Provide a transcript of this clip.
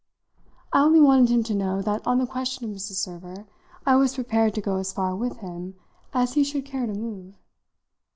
I only wanted him to know that on the question of Mrs. Server I was prepared to go as far with him as he should care to move.